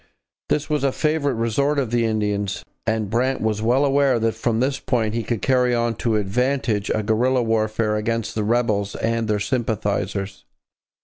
This was a favourite resort of the Indians, and Brant was well aware that from this point he could carry on to advantage a guerrilla warfare against the rebels and their sympathizers.